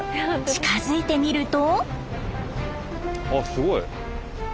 近づいてみると。